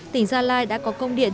tỉnh gia lai đã có công dịch